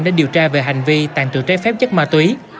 để điều tra về hành vi tàn trự trái phép chất ma túy